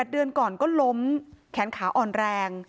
เดือนก่อนก็ล้มแขนขาอ่อนแรง